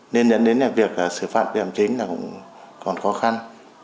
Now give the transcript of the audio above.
nên nhận đến việc xử phạm biên bản chính là còn khó khăn